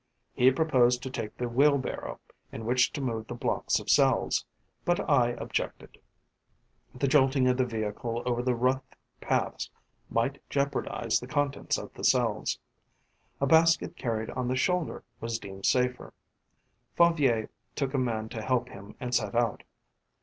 He proposed to take the wheelbarrow, in which to move the blocks of cells; but I objected: the jolting of the vehicle over the rough paths might jeopardise the contents of the cells. A basket carried on the shoulder was deemed safer. Favier took a man to help him and set out.